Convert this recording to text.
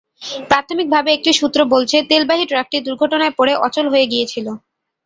প্রাথমিকভাবে একটি সূত্র বলছে, তেলবাহী ট্রাকটি দুর্ঘটনায় পড়ে অচল হয়ে গিয়েছিল।